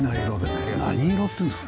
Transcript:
何色っていうんですかね？